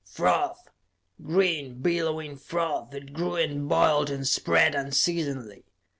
Froth! Green, billowing froth that grew and boiled and spread unceasingly.